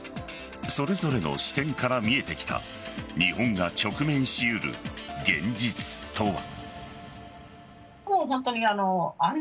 それぞれの視点から見えてきた日本が直面しうる現実とは。